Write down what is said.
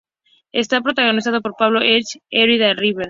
Está protagonizado por Pablo Echarri, Érica Rivas.